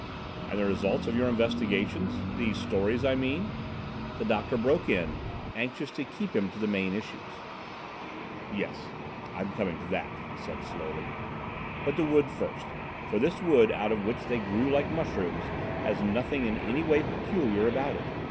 "And the result of your investigations—these stories, I mean?" the doctor broke in, anxious to keep him to the main issues. "Yes, I'm coming to that," he said slowly, "but the wood first, for this wood out of which they grew like mushrooms has nothing in any way peculiar about it.